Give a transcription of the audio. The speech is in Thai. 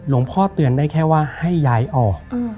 พ่อเตือนได้แค่ว่าให้ย้ายออก